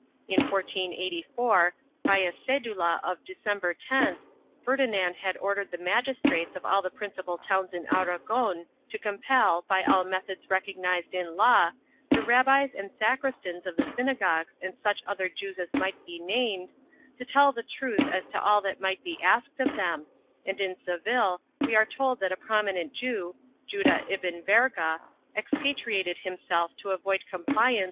In 1484, by a cedula of December 10th, Ferdinand had ordered the magistrates of all the principal towns in Aragon to compel, by all methods recognized in law, the rabbis and sacristans of the synagogues and such other Jews as might be named, to tell the truth as to all that might be asked of them, and in Seville we are told that a prominent Jew, Judah Ibn Verga, expatriated himself to avoid compliance with a similar 1 Archive hist, national, Inquisition de Toledo, Legajo 262.